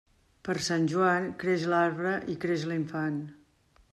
Per Sant Joan, creix l'arbre i creix l'infant.